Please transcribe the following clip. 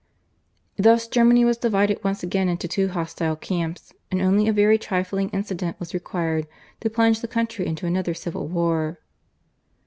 Thus Germany was divided once again into two hostile camps, and only a very trifling incident was required to plunge the country into another civil war.